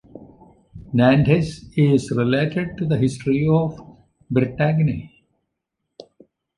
Nantes is related to the history of Bretagne.